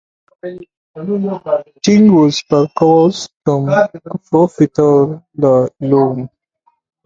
Tingues per costum aprofitar la llum.